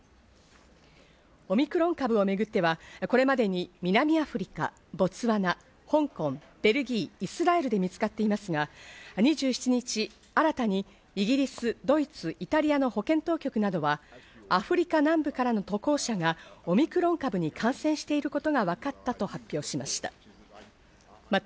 オミクロン株をめぐっては、これまでに南アフリカ、ボツワナ、香港、ベルギー、イスラエルで見つかっていますが、２７日、新たにイギリス、ドイツ、イタリアの保健当局などはアフリカ南部からの渡航者がオミクロン株に感染していることがわかったと発表しました。